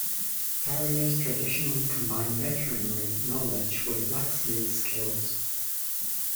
Farriers traditionally combined veterinary knowledge with blacksmiths' skills.